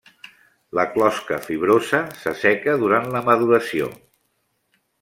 La closca fibrosa s'asseca durant la maduració.